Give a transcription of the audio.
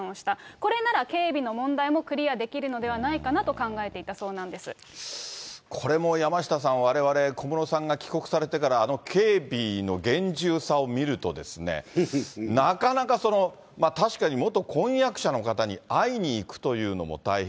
これなら警備の問題もクリアできるのではないかなと考えていたそこれも、山下さん、われわれ、小室さんが帰国されてから、あの警備の厳重さを見るとですね、なかなかその、確かに元婚約者の方に会いに行くというのも大変。